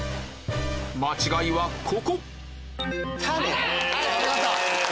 間違いはここ！